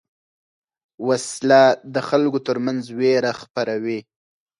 وسله د خلکو تر منځ وېره خپروي